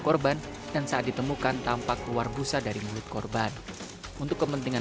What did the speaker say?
korban dan saat ditemukan tampak keluar busa dari mulut korban untuk kepentingan